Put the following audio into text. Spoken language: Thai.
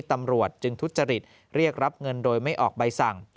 ตำรวจจึงทุจริตเรียกรับเงินโดยไม่ออกใบสั่ง